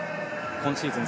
今シーズン